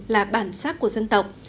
là bản sắc của dân tộc